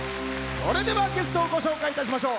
それでは、ゲストをご紹介いたしましょう。